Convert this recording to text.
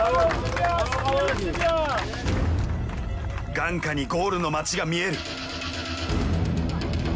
眼下にゴールの街が見える。